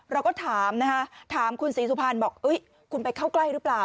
เราก็ถามนะคะถามคุณศรีสุพรรณบอกคุณไปเข้าใกล้หรือเปล่า